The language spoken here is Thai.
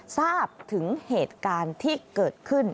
ทราบถึงเหตุการณ์ที่เกิดขึ้น